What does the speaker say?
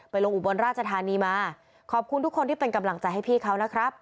ลงอุบลราชธานีมาขอบคุณทุกคนที่เป็นกำลังใจให้พี่เขานะครับ